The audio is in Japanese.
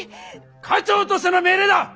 家長としての命令だ！